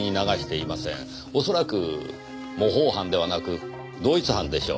恐らく模倣犯ではなく同一犯でしょう。